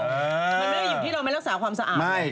มันไม่อยู่ที่เราไปรักษาความสะอาดเหรอ